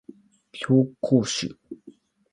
紹興酒